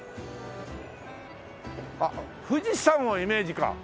あっ富士山をイメージか！